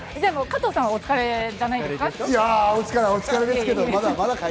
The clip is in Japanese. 加藤さん、お疲れじゃないですか？